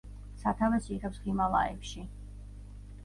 სათავეს იღებს ჰიმალაებში.